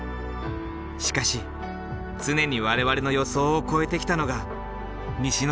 しかし常に我々の予想を超えてきたのが西之島だ。